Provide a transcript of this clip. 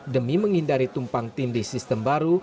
demi menghindari tumpang tim di sistem baru